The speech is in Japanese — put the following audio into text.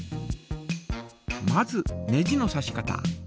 まずネジのさし方。